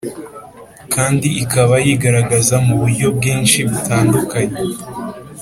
kandi ikaba yigaragaza mu buryo bwinshi butandukanye.